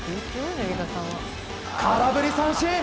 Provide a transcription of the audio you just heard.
空振り三振。